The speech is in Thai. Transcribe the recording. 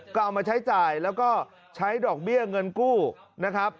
ก็เอามาใช้จ่ายแล้วก็ใช้ดอกเบี้ยเงินกู้นะครับ